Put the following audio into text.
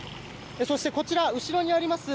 そして、こちら後ろにあります